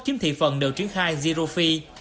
chiếm thị phần đều triển khai zero fee